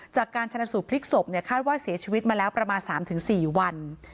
จากการชนะสูบพลิกศพเนี่ยคาดว่าเสียชีวิตมาแล้วประมาณสามถึงสี่วัน